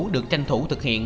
được tranh thủ thực hiện